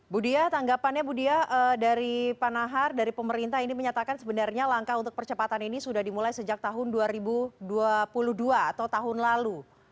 budiah tanggapannya bu dia dari panahar dari pemerintah ini menyatakan sebenarnya langkah untuk percepatan ini sudah dimulai sejak tahun dua ribu dua puluh dua atau tahun lalu